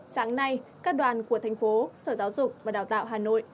sáng nay các đoàn của thành phố sở giáo dục và đào tạo hà nội